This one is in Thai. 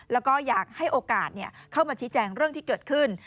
แล้วก็อยากให้โอกาสเข้ามาชี้แจงเรื่องที่เกิดขึ้น